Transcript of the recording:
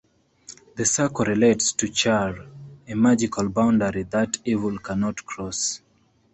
The circle relates to "chur", a magical boundary that evil cannot cross.